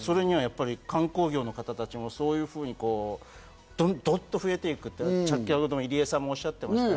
観光業の方たちもそういうふうにどっと増えていく、入江さんもおっしゃっていました。